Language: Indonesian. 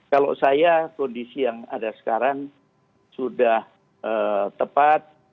kalau saya kondisi yang ada sekarang sudah tepat